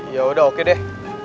ya udah oke deh